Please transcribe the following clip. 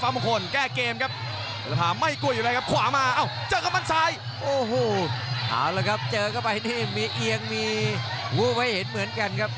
ตอนที่สามเริ่มขึ้น